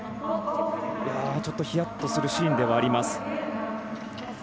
ちょっとヒヤッとするシーンではあります。